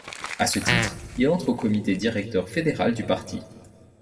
À ce titre, il entre au comité directeur fédéral du parti.